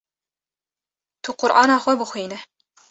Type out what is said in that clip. Tu Qur’ana xwe bixwîne